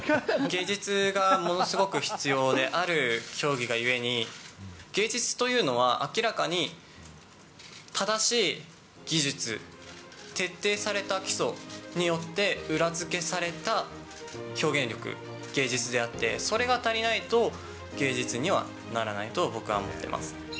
芸術がものすごく必要である競技がゆえに、芸術というのは、明らかに正しい技術、徹底された基礎によって裏付けされた表現力、芸術であって、それが足りないと、芸術にはならないと僕は思ってます。